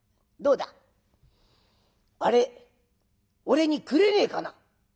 どうだあれ俺にくれねえかな？」。